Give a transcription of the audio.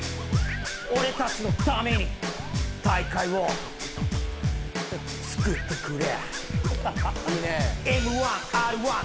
「俺たちのために大会をつくってくれ」